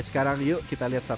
sekarang yuk kita lihat